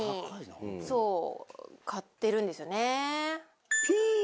そう買ってるんですよね。